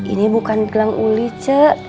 ini bukan gelang uli cak